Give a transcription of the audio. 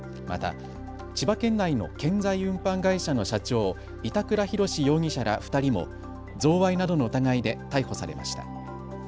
また、千葉県内の建材運搬会社の社長、板倉広志容疑者ら２人も贈賄などの疑いで逮捕されました。